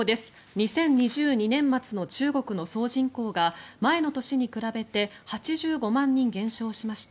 ２０２２年末の中国の総人口が前の年に比べて８５万人減少しました。